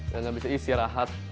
dan abis itu istirahat